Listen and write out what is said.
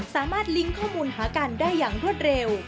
ลิงก์ข้อมูลหากันได้อย่างรวดเร็ว